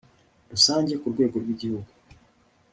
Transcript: rusange ku rwego rw Igihugu